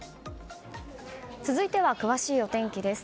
続いては詳しいお天気です。